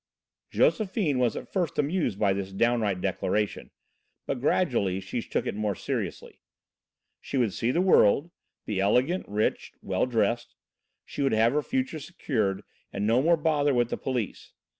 Josephine was at first amused by this downright declaration, but gradually she took it more seriously. She would see the world, be elegant, rich, well dressed. She would have her future secured and no more bother with the police.